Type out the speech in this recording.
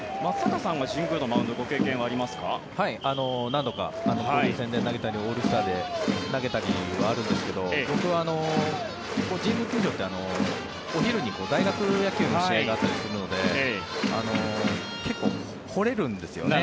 何度か、交流戦で投げたりオールスターで投げたりはあるんですけど僕は神宮球場ってお昼に大学野球の試合があったりするので結構、掘れるんですよね。